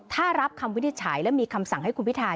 ถ้ารับคำวินิจฉัยและมีคำสั่งให้คุณพิทา